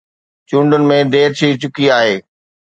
چونڊن ۾ دير ٿي چڪي آهي.